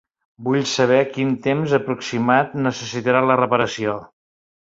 Vull saber quin temps aproximat necessitarà la reparació.